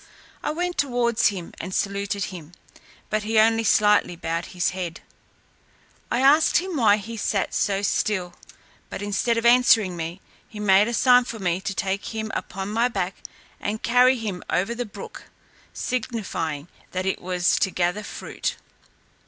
I went towards him and saluted him, but he only slightly bowed his head. I asked him why he sat so still, but instead of answering me, he made a sign for me to take him upon my back, and carry him over the brook, signifying that it was to gather fruit.